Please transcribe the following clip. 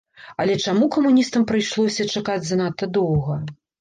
Але чаму камуністам прыйшлося чакаць занадта доўга?